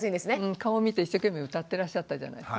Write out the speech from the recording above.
顔見て一生懸命歌ってらっしゃったじゃないですか。